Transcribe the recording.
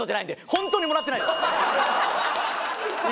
本当にもらってないです